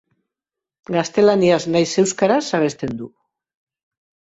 Gaztelaniaz nahiz euskaraz abesten du.